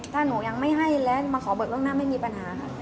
ถ้าหนูยังไม่ให้และมาขอเบิกล่วงหน้าไม่มีปัญหาค่ะ